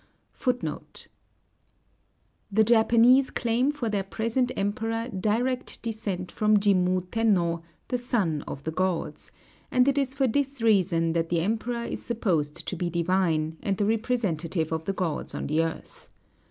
The Japanese claim for their present Emperor direct descent from Jimmu Tenno, the Son of the Gods; and it is for this reason that the Emperor is supposed to be divine, and the representative of the gods on the earth.